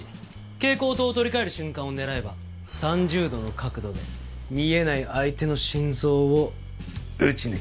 蛍光灯を取り換える瞬間を狙えば３０度の角度で見えない相手の心臓を撃ち抜ける。